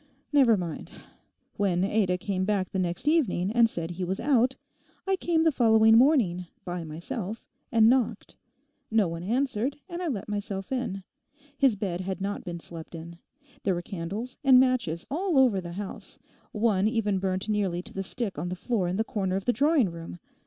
Never mind. When Ada came back the next evening and said he was out, I came the following morning—by myself—and knocked. No one answered, and I let myself in. His bed had not been slept in. There were candles and matches all over the house—one even burnt nearly to the stick on the floor in the corner of the drawing room.